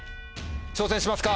挑戦しますか？